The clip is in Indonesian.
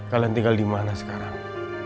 kalian tinggal dimana sekarang